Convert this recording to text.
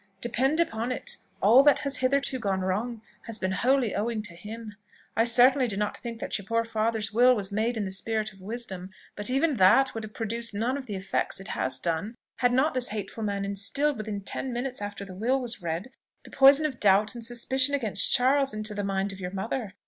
Depend upon it, all that has hitherto gone wrong, has been wholly owing to him. I certainly do not think that your poor father's will was made in the spirit of wisdom; but even that would have produced none of the effects it has done, had not this hateful man instilled, within ten minutes after the will was read, the poison of doubt and suspicion against Charles, into the mind of your mother.